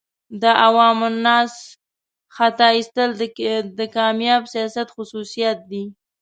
د عوام الناس خطا ایستل د کامیاب سیاست خصوصیات دي.